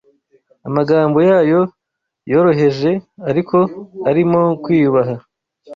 amagambo yayo yoroheje ariko arimo kwiyubaha